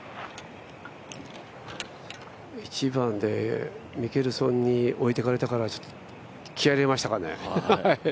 １番でミケルソンに置いてかれたから気合い入れましたかね。